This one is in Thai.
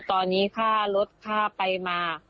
ตอนนี้ค่ารถค่าไปมา